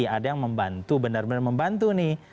jadi ada yang membantu benar benar membantu nih